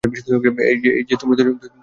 এই যে তোমরা দুজন, খাবার পেয়েছ?